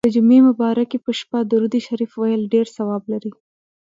د جمعې مبارڪي په شپه درود شریف ویل ډیر ثواب لري.